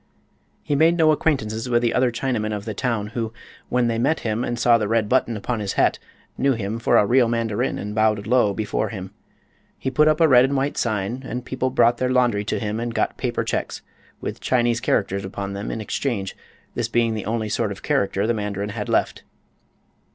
He made no acquaintances with the other Chinamen of the town, who, when they met him and saw the red button in his hat, knew him for a real mandarin and bowed low before him. He put up a red and white sign and people brought their laundry to him and got paper checks, with Chinese characters upon them, in exchange, this being the only sort of character the mandarin had left.